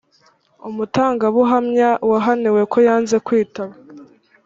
umutangabuhamya wahaniwe ko yanze kwitaba